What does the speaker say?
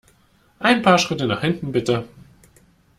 Ein paar Schritte nach hinten, bitte!